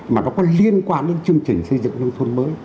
mà nó có liên quan đến chương trình xây dựng nông thôn mới